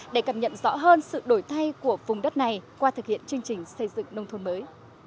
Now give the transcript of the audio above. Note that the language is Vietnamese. để cập nhận rõ hơn sự đổi thay của vùng đất này qua thực hiện chương trình xây dựng nông thôn mới